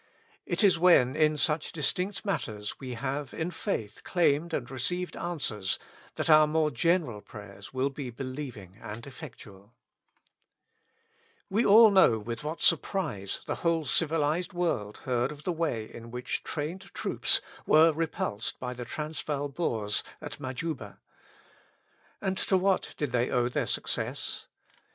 It is when in such distinct matters we have in faith claimed and received answers, that our more general prayers will be be lieving and effectual. 79 With Christ in the School of Prayer. We all know with what surprise the whole civilized world heard of the way in which trained troops were repulsed by the Transvaal Boers at Majuba. And to what did they owe their success